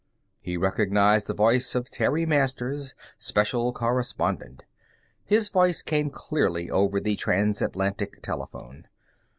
He recognized the voice of Terry Masters, special correspondent. His voice came clearly over the transatlantic telephone.